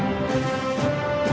chúng ta biết